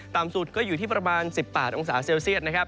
ต่ำสุดก็อยู่ที่ประมาณ๑๘องศาเซลเซียตนะครับ